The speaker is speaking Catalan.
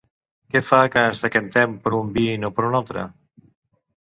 Què fa que ens decantem per un vi i no per un altre?